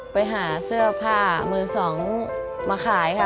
ไปหาเสื้อผ้ามือสองมาขายค่ะ